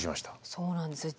そうなんですよ。